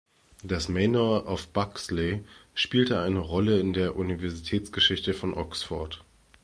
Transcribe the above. Das manor of Bexley spielte eine Rolle in der Universitätsgeschichte von Oxford.